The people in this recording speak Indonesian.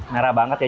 merah banget ya